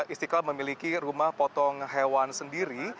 istiqlal memiliki rumah potong hewan sendiri